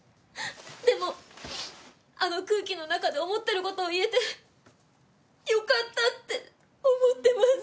でもあの空気の中で思ってる事を言えてよかったって思ってます。